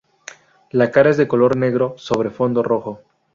La cara es de color negro, sobre fondo rojo.